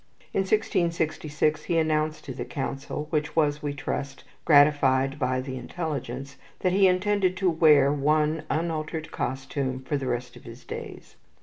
In 1666 he announced to his Council which was, we trust, gratified by the intelligence that he intended to wear one unaltered costume for the rest of his days.